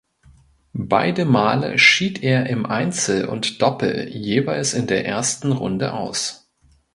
Beide Male schied er in Einzel und Doppel jeweils in der ersten Runde aus.